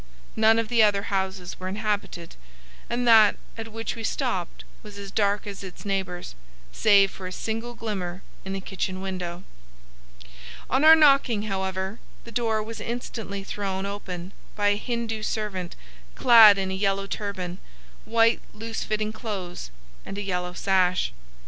None of the other houses were inhabited, and that at which we stopped was as dark as its neighbours, save for a single glimmer in the kitchen window. On our knocking, however, the door was instantly thrown open by a Hindoo servant clad in a yellow turban, white loose fitting clothes, and a yellow sash.